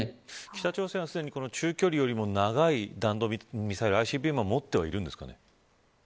北朝鮮はすでに中距離よりも長い弾道ミサイルＩＣＢＭは持ってはいるんですかね。